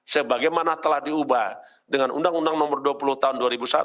sebagaimana telah diubah dengan undang undang nomor dua puluh tahun dua ribu satu